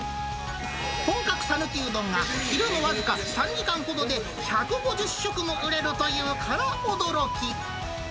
本格讃岐うどんが昼の僅か３時間ほどで１５０食も売れるというから驚き。